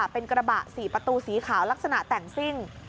เป็นกระบะ๔ประตูสีขาวลักษณะแต่งซิ่ง